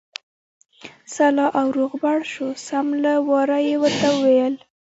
سلا او روغبړ شو، سم له واره یې ورته وویل.